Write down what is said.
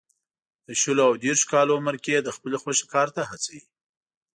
د شلو او دېرشو کالو عمر کې یې د خپلې خوښې کار ته هڅوي.